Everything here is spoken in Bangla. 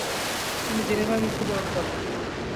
তিনি জেনেভায় মৃত্যুবরণ করেন।